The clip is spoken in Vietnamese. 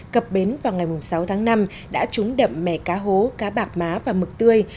cập bến vào ngày sáu tháng năm đã trúng đậm mẻ cá hố cá bạc má và mực tươi